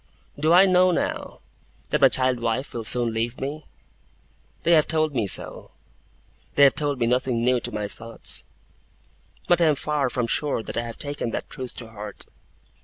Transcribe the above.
Do I know, now, that my child wife will soon leave me? They have told me so; they have told me nothing new to my thoughts but I am far from sure that I have taken that truth to heart.